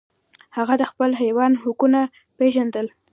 هغه د خپل حیوان حقونه پیژندل.